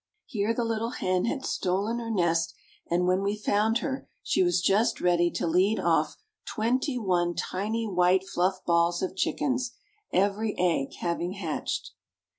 Here the little hen had stolen her nest, and when we found her she was just ready to lead off twenty one tiny white fluff balls of chickens, every egg having hatched.